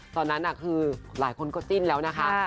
ตอนนั้นคือหลายคนก็จิ้นแล้วนะคะ